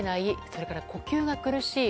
それから呼吸が苦しい